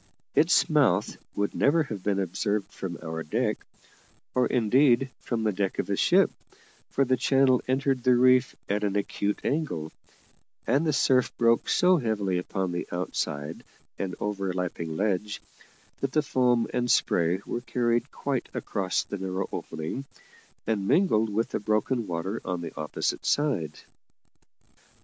Its mouth would never have been observed from our deck, or indeed from the deck of a ship, for the channel entered the reef at an acute angle; and the surf broke so heavily upon the outside and overlapping ledge that the foam and spray were carried quite across the narrow opening, and mingled with the broken water on the opposite side.